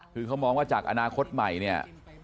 คือเขามองว่าจากอนาคตใหม่เนี่ย